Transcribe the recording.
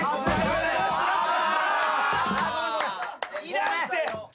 いらんて！